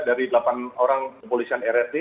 dari delapan orang kepolisian rrt